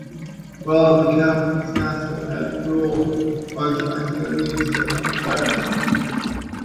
While on the Calf his castle at Barrule was accidentally set on fire.